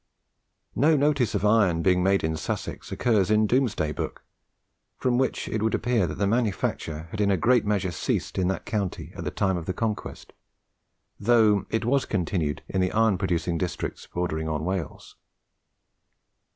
No notice of iron being made in Sussex occurs in Domesday Book, from which it would appear that the manufacture had in a great measure ceased in that county at the time of the Conquest, though it was continued in the iron producing districts bordering on Wales.